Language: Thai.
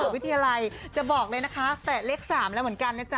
วิทยาลัยจะบอกเลยนะคะแตะเลข๓แล้วเหมือนกันนะจ๊